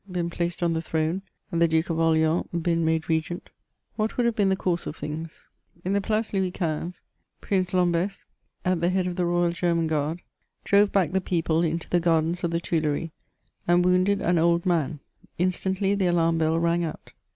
been placed on the throne, and the Duke of Orleans been made regent, what would have been the course of things ? In the Pl&ce Louis XV., Prince Lambesc, at the head of the Royal Grerman Guard, drove back the people into the gardens of the Tuileries, and wounded an old man ; instantly the alarm bell rang out.